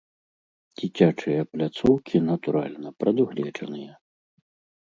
Дзіцячыя пляцоўкі, натуральна, прадугледжаныя.